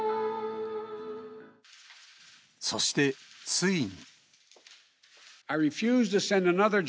そしてついに。